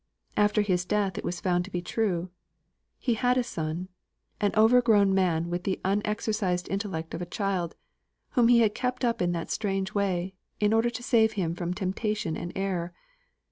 After his death it was found to be true. He had a son an overgrown man, with the unexercised intellect of a child, whom he had kept up in that strange way, in order to save him from temptation and error.